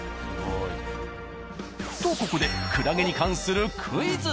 とここでクラゲに関するクイズ。